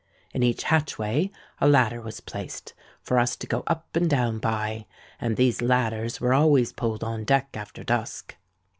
In each hatchway a ladder was placed, for us to go up and down by; and these ladders were always pulled on deck after dusk.